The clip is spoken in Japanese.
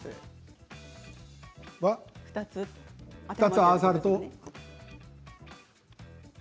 ２つ、合わさると？